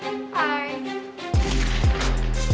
mak udah jangan didengerin